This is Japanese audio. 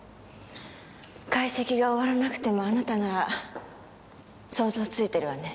解析が終わらなくてもあなたなら想像ついてるわね。